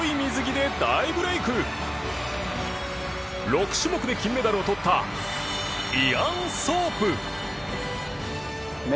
６種目で金メダルを取ったイアン・ソープ